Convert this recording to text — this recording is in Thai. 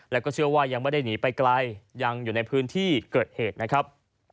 แล้วก็เชื่อว่ายังไม่ได้หนีไปไกลยังอยู่ในพื้นที่เกิดเหตุนะครับ